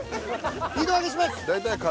２度揚げします。